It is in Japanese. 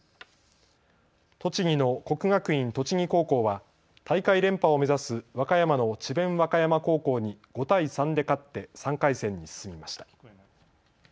栃木の国学院栃木高校は大会連覇を目指す和歌山の智弁和歌山高校に５対３で勝って３回戦に進みました。